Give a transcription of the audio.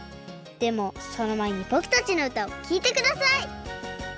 でもそのまえにぼくたちのうたをきいてください！